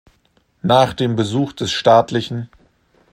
Nach dem Besuch des Staatl.